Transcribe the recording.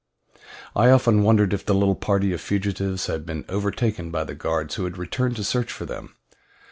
I often wondered if the little party of fugitives had been overtaken by the guards who had returned to search for them.